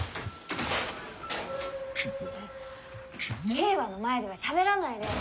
景和の前ではしゃべらないで！